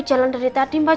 jalan dari tadi mbak